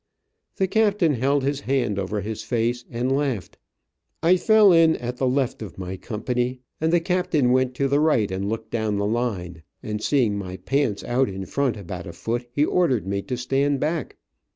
The captain held his hand over his face and laughed. I fell in at the left of my company, and the captain went to the right and looked down the line, and seeing my pants out in front about a foot, he ordered me to stand back.